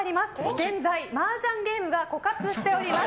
現在マージャンゲームが枯渇しております。